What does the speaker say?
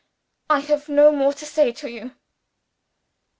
I have no more to say to you."